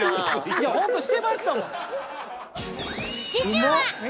いやほんとしてましたもん。